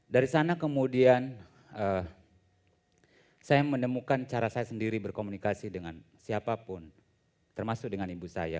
dari sana kemudian saya menemukan cara saya sendiri berkomunikasi dengan siapapun termasuk dengan ibu saya